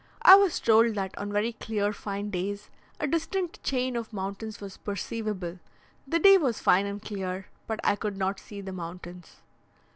I was told that on very clear, fine days, a distant chain of mountains was perceivable the day was fine and clear, but I could not see the mountains.